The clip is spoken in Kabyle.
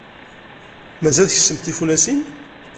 Mazal tkessemt tifunasin?